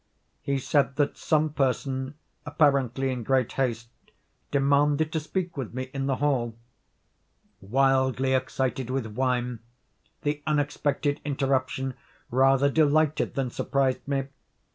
He said that some person, apparently in great haste, demanded to speak with me in the hall. Wildly excited with wine, the unexpected interruption rather delighted than surprised me.